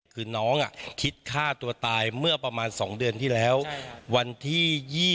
คือน้องคิดฆ่าตัวตายเมื่อประมาณ๒เดือนที่แล้ววันที่๒๐